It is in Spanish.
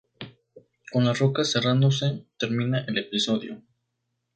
Con la roca cerrándose, termina el episodio.